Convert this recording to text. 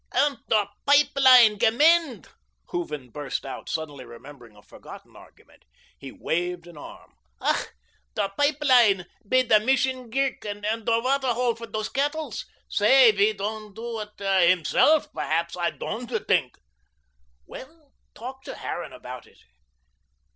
"UND DER PIPE LINE GE MEND," Hooven burst out, suddenly remembering a forgotten argument. He waved an arm. "Ach, der pipe line bei der Mission Greek, und der waater hole for dose cettles. Say, he doand doo ut HIMSELLUF, berhaps, I doand tink." "Well, talk to Harran about it."